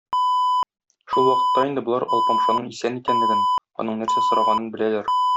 Шул вакытта инде болар Алпамшаның исән икәнлеген, аның нәрсә сораганын беләләр.